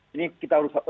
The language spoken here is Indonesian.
ini kita harus